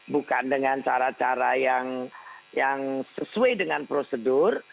bukan dengan cara cara yang sesuai dengan prosedur